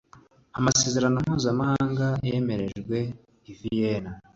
amasezerano mpuzamahanga yemerejwe i vienna